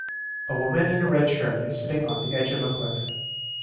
A woman in a red shirt is sitting on the edge of a cliff.